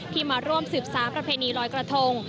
ที่มาร่วม๑๓ประเภนีรอยกระทง